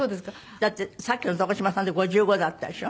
だってさっきの床嶋さんで５５だったでしょ。